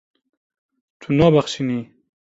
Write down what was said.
Tu nabexşînî.